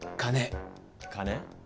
金？